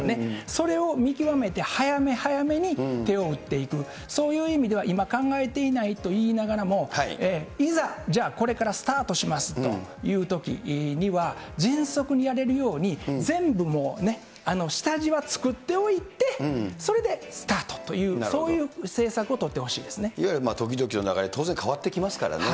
それを見極めて、早め早めに手を打っていく、そういう意味では、今考えていないと言いながらも、いざ、じゃあこれからスタートしますというときには、迅速にやれるように、全部もうね、下地は作っておいて、それでスタートという、そういう政策を取っいわゆる時々の流れ、当然変わってきますからね。